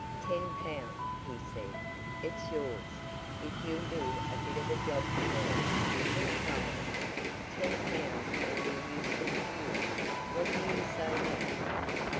"Ten pound!" he said. "It's yours, if you'll do a bit of a job for me in private. Ten pound'll be useful to you. What do you say, now?"